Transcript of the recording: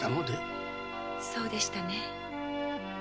そうでしたね。